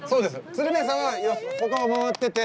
鶴瓶さんは他を回ってて。